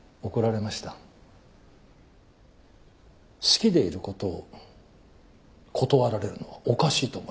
好きでいることを断られるのはおかしいと思います。